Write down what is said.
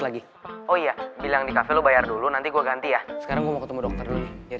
lagi oh iya bilang di cafe lo bayar dulu nanti gue ganti ya sekarang gue mau ketemu dokter dulu jadi